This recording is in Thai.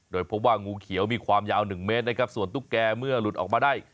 โดยพบว่างูเขียวมีความยาว๑เมตรนะครับส่วนตุ๊กแก่เมื่อหลุดออกมาได้